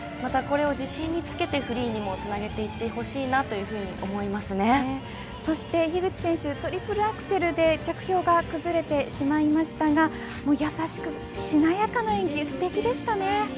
これを自信につけてフリーにもつなげていってほしいな樋口選手、トリプルアクセルで着氷が崩れてしまいましたが優しく、しなやかな演技ですてきでした。